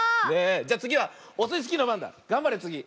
じゃつぎはオスイスキーのばんだ。がんばれつぎ。